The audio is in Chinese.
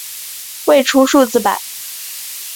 未出数字版。